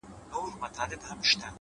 • هم ګونګی سو هم یې مځکه نه لیدله,